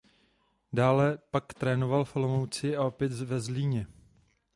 Dále pak trénoval v Olomouci a opět ve Zlíně.